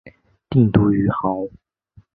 定都于亳。